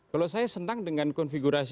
kalau saya senang dengan konfigurasi